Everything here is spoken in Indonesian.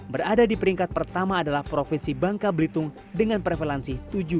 berada di peringkat pertama adalah provinsi bangka belitung dengan prevalansi tujuh empat